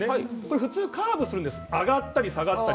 普通、カーブするんです、上がったり下がったり。